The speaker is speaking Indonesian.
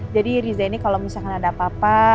jadi riza ini kalo misalkan ada apa apa